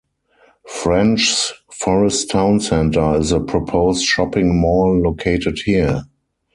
Frenchs Forest Town Centre is a proposed shopping mall located here.